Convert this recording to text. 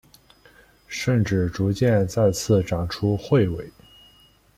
甚至逐渐再次长出彗尾。